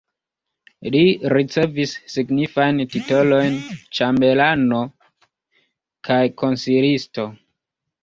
Li ricevis signifajn titolojn ĉambelano kaj konsilisto.